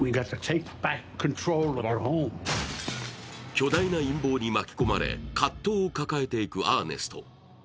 巨大な陰謀に巻き込まれ、葛藤を抱えていくアーネスト。